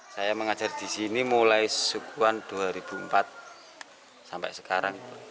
saya mengajar di sini mulai sukuan dua ribu empat sampai sekarang